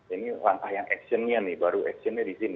ini langkah yang action nya nih baru action nya di sini